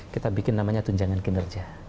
kita bikin namanya tunjangan kinerja